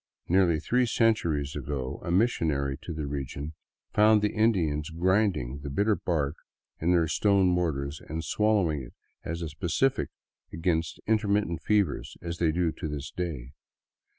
Nearly three centuries ago a missionary to the region found the Indians grinding the bitter bark in their stone mortars and swallowing it as a specific against in termittent fevers, as they do to this day.